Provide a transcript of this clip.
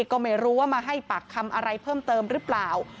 ก็ไม่รู้ว่ามาให้ปากคำอะไรเพิ่มเติมหรือเปล่า